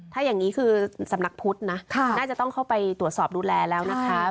ถ้าอย่างนี้คือสำนักพุทธนะน่าจะต้องเข้าไปตรวจสอบดูแลแล้วนะคะ